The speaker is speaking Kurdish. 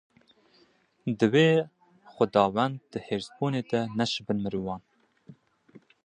Divê Xwedawend di hêrsbûnê de neşibin mirovan.